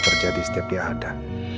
terjadi setiap dia ada